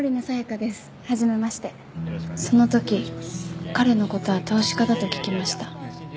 その時彼の事は投資家だと聞きました。